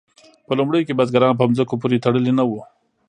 په لومړیو کې بزګران په ځمکو پورې تړلي نه وو.